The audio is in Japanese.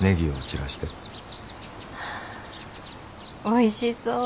おいしそう。